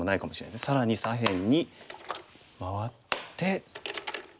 更に左辺に回って。